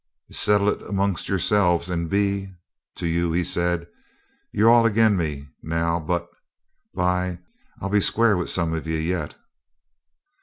'Settle it amongst yourselves, and be to you,' he said. 'You're all agin me now; but, by , I'll be square with some of ye yet.'